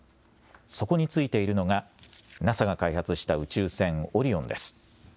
そこについているのが、ＮＡＳＡが開発した宇宙船オリオンです。